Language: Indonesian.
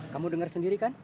kamu dengar sendiri kan